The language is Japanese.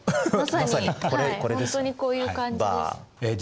本当にこういう感じです。